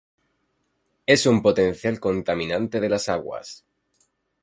Es un potencial contaminante de las aguas.